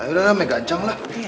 ayo udah udah megacang lah